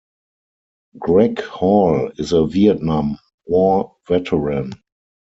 Greg Hall is a Vietnam war veteran.